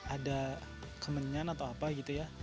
ada kemenyan atau apa gitu ya